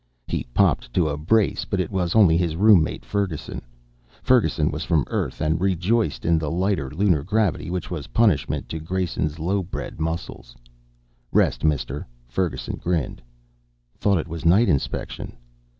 He popped to a brace, but it was only his roommate Ferguson. Ferguson was from Earth, and rejoiced in the lighter Lunar gravity which was punishment to Grayson's Io bred muscles. "Rest, mister," Ferguson grinned. "Thought it was night inspection."